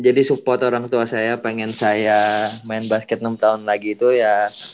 jadi support orang tua saya pengen saya main basket enam tahun lagi itu ya